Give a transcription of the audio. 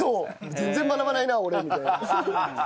全然学ばないな俺みたいな。